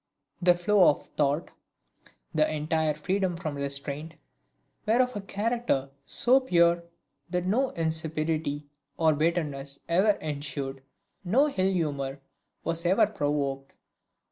The flow of thought, the entire freedom from restraint, were of a character so pure that no insipidity or bitterness ever ensued, no ill humor was ever provoked.